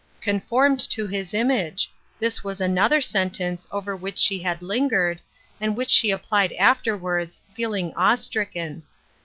"Conformed to his image," this was another sentence over which she had lingered, and which she applied afterwards, feeling awe stricken.